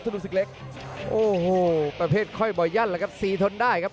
กระโดยสิ้งเล็กนี่ออกกันขาสันเหมือนกันครับ